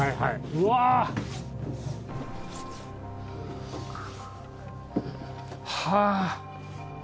うわ！はあ。